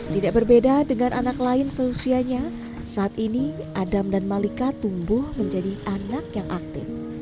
tidak berbeda dengan anak lain seusianya saat ini adam dan malika tumbuh menjadi anak yang aktif